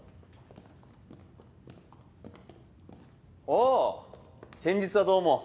ああ先日はどうも。